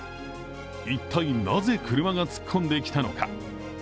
一体なぜ車が突っ込んできたのか。